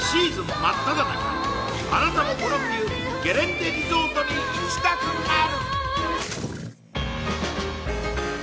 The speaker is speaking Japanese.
真っただ中あなたもこの冬ゲレンデリゾートに行きたくなる